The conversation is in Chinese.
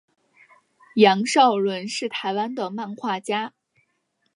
杨邵伦是台湾的漫画家。